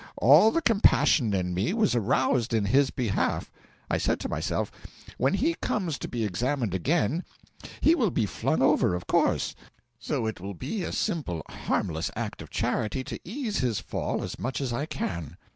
All the compassion in me was aroused in his behalf. I said to myself, when he comes to be examined again, he will be flung over, of course; so it will be simple a harmless act of charity to ease his fall as much as I can.